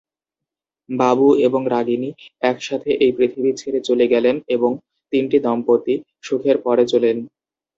বাবু এবং রাগিনী একসাথে এই পৃথিবী ছেড়ে চলে গেলেন এবং তিনটি দম্পতি সুখের পরে চলেন।